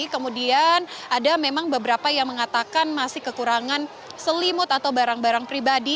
kemudian ada memang beberapa yang mengatakan masih kekurangan selimut atau barang barang pribadi